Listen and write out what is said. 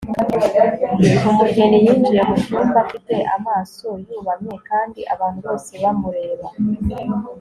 Umugeni yinjiye mucyumba afite amaso yubamye kandi abantu bose bamureba